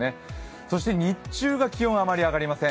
そして日中が気温あまり上がりません。